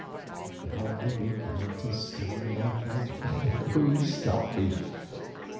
Now I began to stammer my thanks, but he stopped me.